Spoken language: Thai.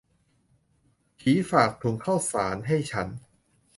ผีฝากถุงข้าวสารให้ฉัน